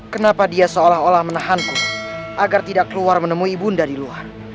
kenapa dia seolah olah menahanku agar tidak keluar menemui bunda di luar